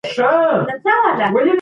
ته مي غوښي پرې کوه زه په دعا یم